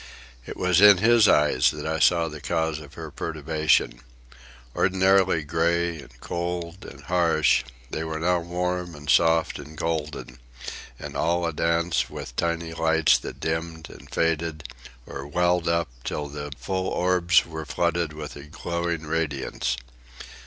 It was in his eyes that I saw the cause of her perturbation. Ordinarily grey and cold and harsh, they were now warm and soft and golden, and all a dance with tiny lights that dimmed and faded, or welled up till the full orbs were flooded with a glowing radiance.